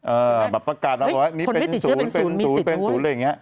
เออแบบประกาศแล้วว่านี่เป็นศูนย์เป็นศูนย์เป็นศูนย์เป็นศูนย์เลยอย่างนี้